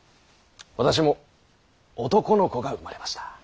私も男の子が生まれました。